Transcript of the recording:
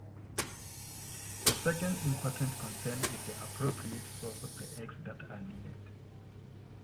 A second important concern is the appropriate source of the eggs that are needed.